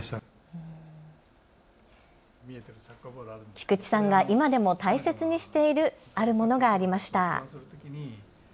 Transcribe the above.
菊池さんが今でも大切にしているあるものがありました。